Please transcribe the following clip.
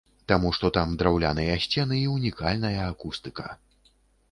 Таму што там драўляныя сцены і ўнікальная акустыка!